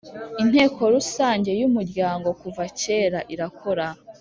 Inteko rusange y Umuryango kuva kera irakora